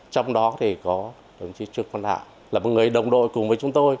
trong đó thì có đồng chí trương công đạo là một người đồng đội cùng với chúng tôi